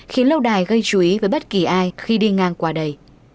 khiến lâu đài gây chú ý với bất kỳ ai khi đi ngang qua đây